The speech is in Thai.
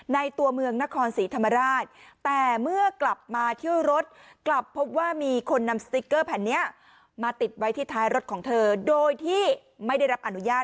ตัวเมืองนครศรีธรรมราชแต่เมื่อกลับมาเที่ยวรถกลับพบว่ามีคนนำสติ๊กเกอร์แผ่นนี้มาติดไว้ที่ท้ายรถของเธอโดยที่ไม่ได้รับอนุญาต